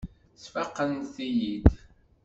Sfaqent-iyi-id.